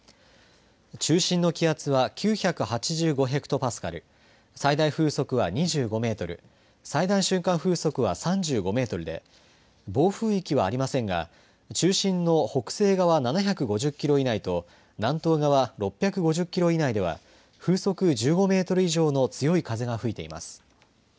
中心の気圧は９８５ヘクトパスカル、最大風速は２５メートル、最大瞬間風速は３５メートルで暴風域はありませんが中心の北西側７５０キロ以内と南東側６５０キロ以内では風速１５メートル以上の強い風が吹いています。